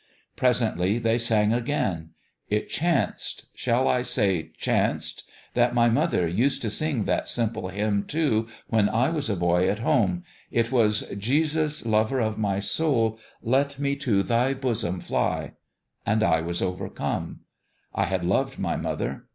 .. Presently they sang again. It chanced shall I say chanced ? that my mother used to 342 IN HIS OWN BEHALF sing that simple hymn, too, when I was a boy at home. It was, "' Jesus, lover of my soul, Let me to Thy bosom fly ...' and I was overcome. I had loved my mother.